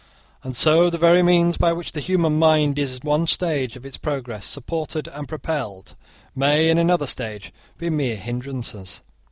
And so the very means by which the human mind is, in one stage of its progress, supported and propelled, may, in another stage, be mere hindrances.